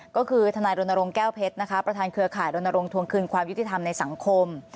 ก็คือธนายโรนโรงแก้วเพชรประธานเครือข่ายโรนโรงทวงคืนความยุติธรรมในสังคม